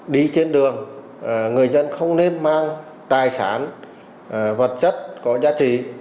đi trên đường người dân không nên mang tài sản vật chất có giá trị